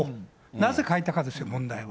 なぜ変えたかですよ、問題は。